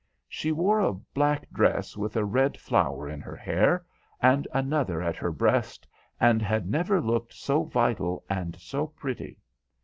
She wore a black dress, with a red flower in her hair, and another at her breast, and had never looked so vital and so pretty.